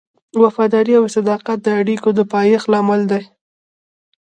وفاداري او صداقت د اړیکو د پایښت لامل دی.